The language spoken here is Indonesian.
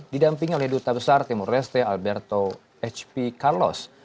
didampingi oleh duta besar timur reste alberto h p carlos